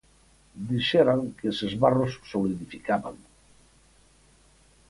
Dixeran que eses barros solidificaban.